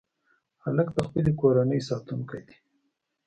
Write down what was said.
هلک د خپلې کورنۍ ساتونکی دی.